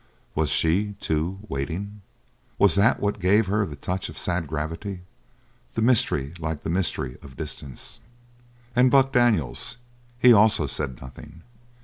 Was she, too, waiting? Was that what gave her the touch of sad gravity, the mystery like the mystery of distance? And Buck Daniels. He, also, said nothing.